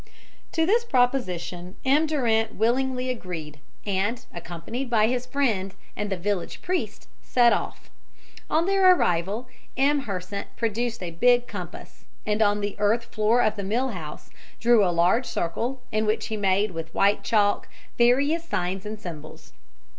To this proposition M. Durant willingly agreed, and, accompanied by his friend and the village priest, set off. On their arrival, M. Hersant produced a big compass, and on the earth floor of the mill house drew a large circle, in which he made with white chalk various signs and symbols.